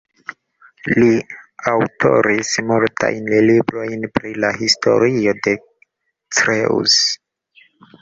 Li aŭtoris multajn librojn pri la historio de Creuse.